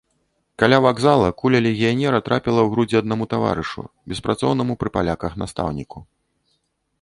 Каля вакзала куля легіянера трапіла ў грудзі аднаму таварышу, беспрацоўнаму пры паляках настаўніку.